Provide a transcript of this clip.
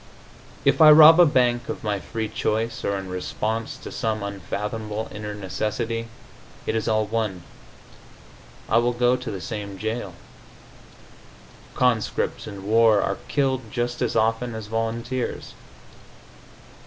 If I rob a bank of my free choice or in response to some unfathomable inner necessity, it is all one; I will go to the same jail. Conscripts in war are killed just as often as volunteers.